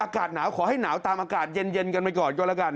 อากาศหนาวขอให้หนาวตามอากาศเย็นกันไปก่อนก็แล้วกัน